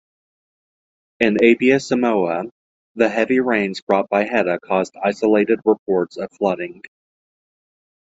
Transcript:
In Apia, Samoa, the heavy rains brought by Heta caused isolated reports of flooding.